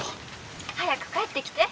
「早く帰ってきて。